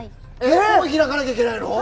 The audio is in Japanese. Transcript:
もう開かなきゃいけないの？